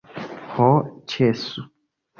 Ho, ĉesu!